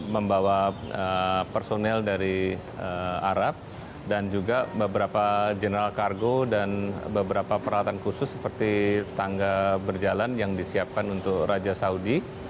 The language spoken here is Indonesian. membawa personel dari arab dan juga beberapa general kargo dan beberapa peralatan khusus seperti tangga berjalan yang disiapkan untuk raja saudi